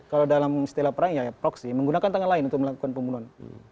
kalau dalam istilah perang ya proksi menggunakan tangan lain untuk melakukan pembunuhan